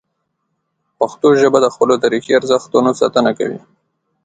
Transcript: پښتو ژبه د خپلو تاریخي ارزښتونو ساتنه کوي.